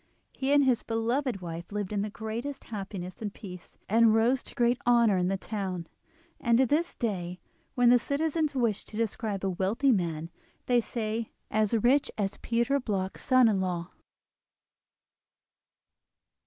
He and his beloved wife lived in the greatest happiness and peace, and rose to great honour in the town. And to this day, when the citizens wish to describe a wealthy man, they say: "As rich as Peter Bloch's son in law!"